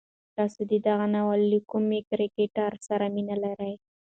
تاسو د دغه ناول له کوم کرکټر سره مینه لرئ؟